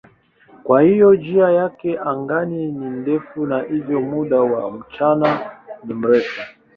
Kwa hiyo njia yake angani ni ndefu na hivyo muda wa mchana ni mrefu.